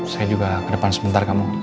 saya juga ke depan sebentar kamu